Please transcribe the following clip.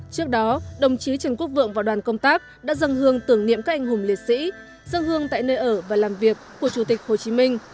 trước đó đồng chí trần quốc vượng và đoàn công tác đã dâng hương tưởng niệm các anh hùng liệt sĩ dân hương tại nơi ở và làm việc của chủ tịch hồ chí minh